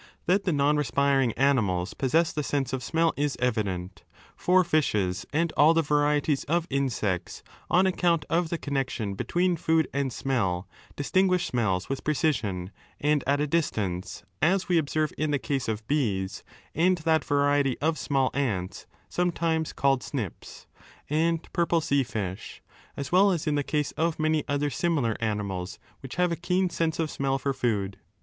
tThat the non respiring animals possess the sense of smell is evident. For fishes and all the varieties of insects, on account of the connection between food and smell, distinguish smells with precision and at a distance, as we observe in the case of bees and that variety of small ants sometimes called cnips ^ and purple sea fish, as well as in the case of many other similar animals which have a keen sense of smell for food.